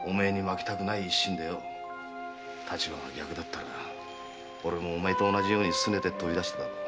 立場が逆だったら俺もお前と同じようにすねて飛び出しただろう。